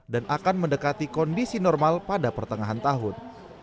dan akan mendekati kondisi normal pada pertengahan tahun